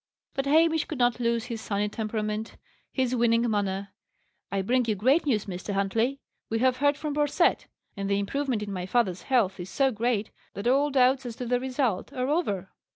But Hamish could not lose his sunny temperament, his winning manner. "I bring you great news, Mr. Huntley. We have heard from Borcette: and the improvement in my father's health is so great, that all doubts as to the result are over."